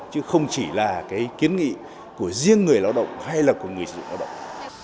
chứ không chỉ là cái kiến nghị của riêng người lao động hay là của người sử dụng lao động